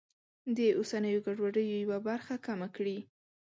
د اوسنیو ګډوډیو یوه برخه کمه کړي.